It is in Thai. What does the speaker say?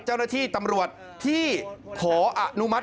ก็ตอบได้คำเดียวนะครับ